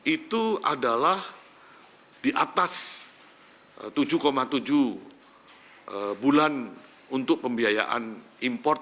itu adalah di atas tujuh tujuh bulan untuk pembiayaan impor